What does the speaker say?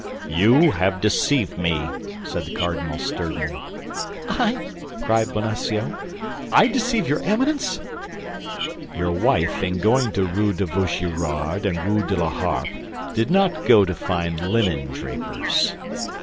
"You have deceived me!" said the cardinal, sternly. "I," cried Bonacieux, "I deceive your Eminence!" "Your wife, in going to Rue de Vaugirard and Rue de la Harpe, did not go to find linen drapers."